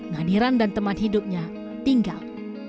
nadiran dan teman hidupnya tinggal